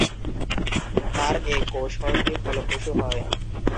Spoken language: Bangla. তাঁর এ কৌশলটি ফলপ্রসু হয়।